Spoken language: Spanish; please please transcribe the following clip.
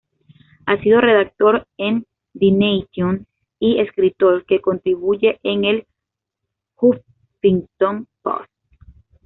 Ha sido redactor en The Nation y escritor que contribuye en el Huffington Post.